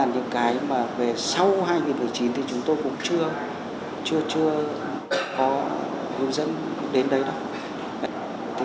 những cái mà về sau hai nghìn một mươi chín thì chúng tôi cũng chưa có hướng dẫn đến đấy đâu